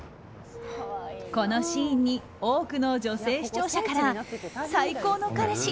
このシーンに多くの女性視聴者から最高の彼氏！